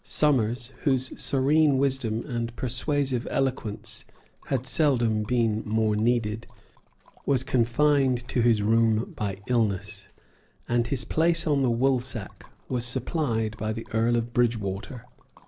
Somers, whose serene wisdom and persuasive eloquence had seldom been more needed, was confined to his room by illness; and his place on the woolsack was supplied by the Earl of Bridgewater.